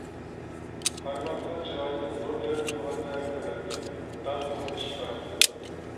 قارماققا چىرايىدىن نۇر تېمىپ تۇرغاندەك كۆرۈنەتتى، داڭقىمۇ ئېشىپ باراتتى.